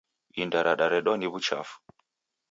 Inda radaredwa ni w'uchafu.